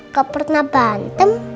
gak pernah bantem